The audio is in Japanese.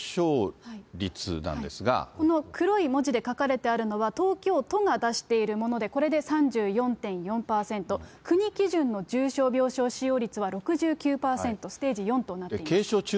この黒い文字で書かれてあるのは、東京都が出しているもので、これで３４．４％、国基準の重症病床使用率は６９％、ステージ４となっています。